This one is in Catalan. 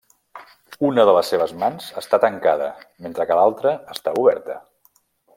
Una de les seves mans està tancada, mentre que l'altra està oberta.